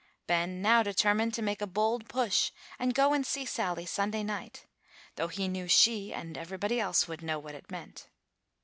Ben now determined to make a bold push, and go and see Sally Sunday night, though he knew she, and everybody else, would know what it meant.